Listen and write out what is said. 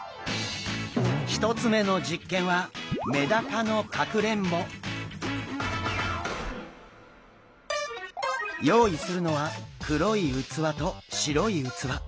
１つ目の実験は用意するのは黒い器と白い器。